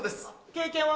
経験は？